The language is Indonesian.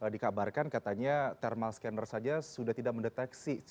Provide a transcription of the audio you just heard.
dikabarkan katanya thermal scanner saja sudah tidak mendeteksi